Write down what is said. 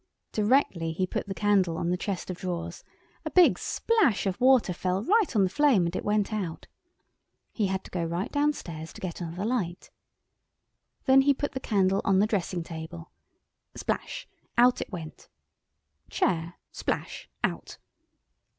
Directly he put the candle on the chest of drawers a big splash of water from the ceiling fell right on the flame and it went out. He had to go right down stairs to get another light. Then he put the candle on the dressing table—splash—out it went. Chair. Splash! Out!